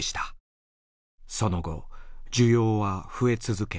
その後需要は増え続け